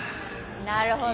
なるほど。